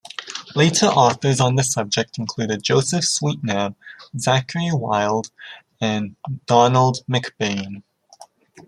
Later authors on the subject included Joseph Swetnam, Zachary Wylde, and Donald McBane.